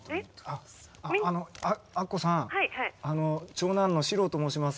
長男の史郎と申します。